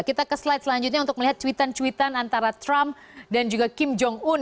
kita ke slide selanjutnya untuk melihat cuitan cuitan antara trump dan juga kim jong un